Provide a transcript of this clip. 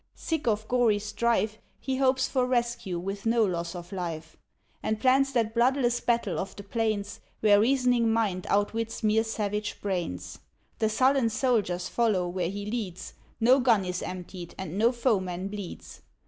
Sick of gory strife, He hopes for rescue with no loss of life; And plans that bloodless battle of the plains Where reasoning mind outwits mere savage brains. The sullen soldiers follow where he leads; No gun is emptied, and no foeman bleeds.